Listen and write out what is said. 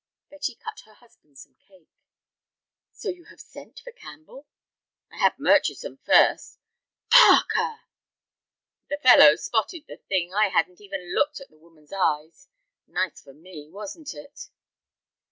Betty cut her husband some cake. "So you have sent for Campbell?" "I had Murchison first." "Parker!" "The fellow spotted the thing. I hadn't even looked at the woman's eyes. Nice for me, wasn't it?"